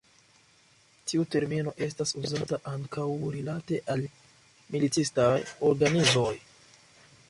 Tiu termino estas uzata ankaŭ rilate al militistaj organizoj.